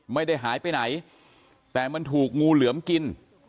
ไม่ได้หายไปไหนแต่มันถูกงูเหลือมกิน